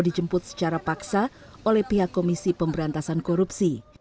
dijemput secara paksa oleh pihak komisi pemberantasan korupsi